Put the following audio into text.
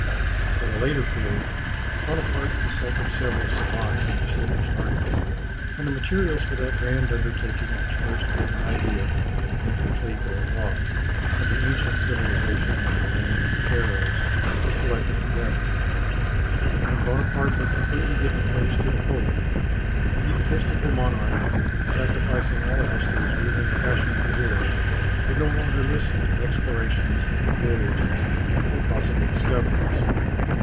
At a later period, Bonaparte consulted several savants and distinguished artists, and the materials for that grand undertaking which first gave an idea (incomplete though it was) of the ancient civilization of the land of the Pharaohs, were collected together. But when Bonaparte had completely given place to Napoleon, the egotistical monarch, sacrificing all else to his ruling passion for war, would no longer listen to explorations, voyages, or possible discoveries.